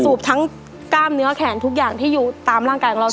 ทั้งกล้ามเนื้อแขนทุกอย่างที่อยู่ตามร่างกายของเรา